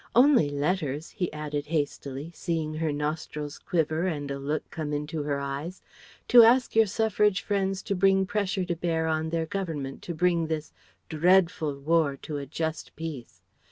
only letters," he added hastily, seeing her nostrils quiver and a look come into her eyes "to ask your Suffrage friends to bring pressure to bear on their Government to bring this d r r eadful War to a just peace.